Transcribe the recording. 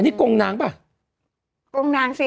มีกรงนางสิ